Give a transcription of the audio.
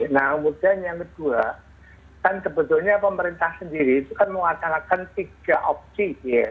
nah kemudian yang kedua kan sebetulnya pemerintah sendiri itu kan mewacanakan tiga opsi